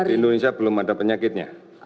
di indonesia belum ada penyakitnya